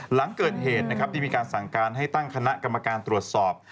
หลังเกิดเหตุนะครับได้มีการสั่งการให้ตั้งคณะกรรมการตรวจสอบ